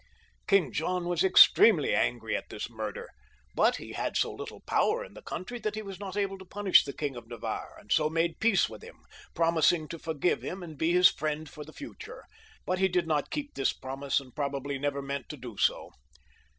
King John was extremely angry at this murder; but he had so little power in the country that he was not able to punish the King of Navarre, and so made peace with him, promising to forgive him and be his friend for the future ; but he did not keep this promise, and probably never meant to do so.